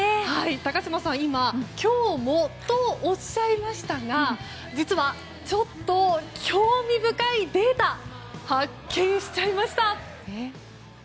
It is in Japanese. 高島さん、今今日もとおっしゃいましたが実は、ちょっと興味深いデータを発見しちゃいました。